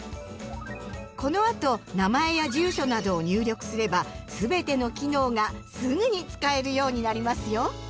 このあと名前や住所などを入力すればすべての機能がすぐに使えるようになりますよ。